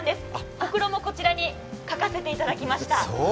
ほくろもこちらに描かせていただきました。